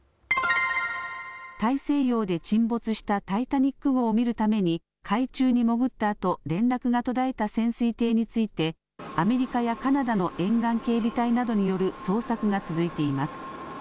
大西洋で沈没したタイタニック号を見るために海中に潜ったあと連絡が途絶えた潜水艇についてアメリカやカナダの沿岸警備隊などによる捜索が続いています。